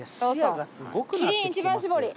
キリン一番搾り。